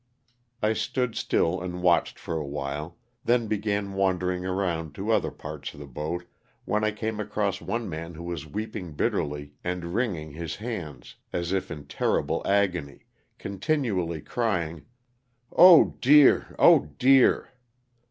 I stood still and watched for a while, then began wandering around to other parts of the boat when I came across one man who was weeping bitterly and wringing his hands as if in terrible agony, continually crying, *' dear, dear."